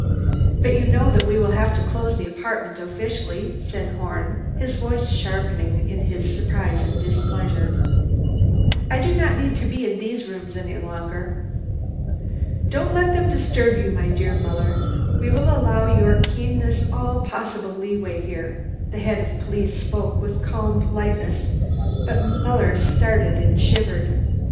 "But you know that we will have to close the apartment officially," said Horn, his voice sharpening in his surprise and displeasure. "I do not need to be in these rooms any longer." "Don't let them disturb you, my dear Muller; we will allow your keenness all possible leeway here." The Head of Police spoke with calm politeness, but Muller started and shivered.